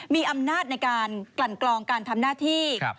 มีอำนาจในการกลั่นกลองการทำหน้าที่